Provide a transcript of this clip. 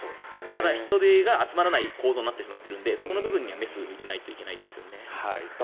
人手が集まらない構造になってしまっているのでそこの部分にはメスを入れないといけないですよね。